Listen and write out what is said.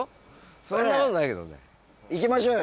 そんなことないけどね行きましょうよ